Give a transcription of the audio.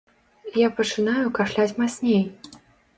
Я пачынаю кашляць мацней.